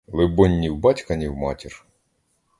Либонь, ні в батька, ні в матір.